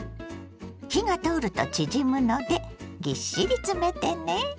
火が通ると縮むのでぎっしり詰めてね。